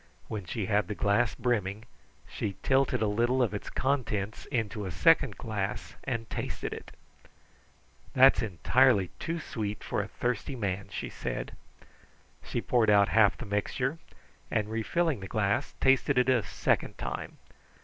When she had the glass brimming, she tilted a little of its contents into a second glass and tasted it. "That's entirely too sweet for a thirsty man," she said. She poured out half the mixture, and refilling the glass, tasted it a second time.